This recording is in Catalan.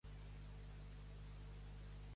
Ser una fembra folla.